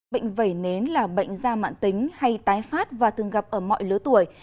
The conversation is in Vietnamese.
bệnh vẩy nến là bệnh da mạng tính hay tái phát và thường gặp ở mọi lứa tuổi